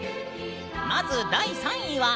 まず第３位は。